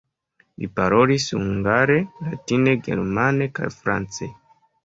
Li parolis hungare, latine, germane kaj france.